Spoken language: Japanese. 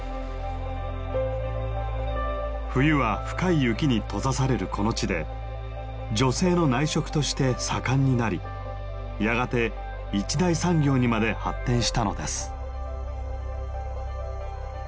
冬は深い雪に閉ざされるこの地で女性の内職として盛んになりやがて一大産業にまで発展したのです。